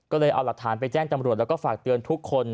ก็เลยเอาหลักฐานไปแจ้งตำรวจแล้วก็ฝากเตือนทุกคน